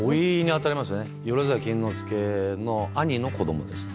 萬屋錦之介の兄の子供ですね。